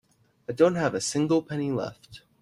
I don't have a single penny left.